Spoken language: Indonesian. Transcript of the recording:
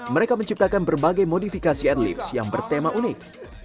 mereka menciptakan berbagai modifikasi ad libs yang bertema unik